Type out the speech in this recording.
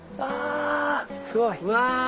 すごい！うわ！